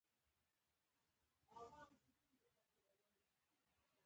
یوه بله ناروغه مېرمن هم له خپل نارینه سره راغلې وه.